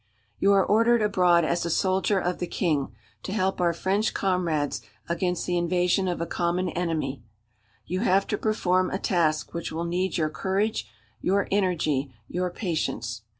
"You are ordered abroad as a soldier of the King to help our French comrades against the invasion of a common enemy. You have to perform a task which will need your courage, your energy, your patience.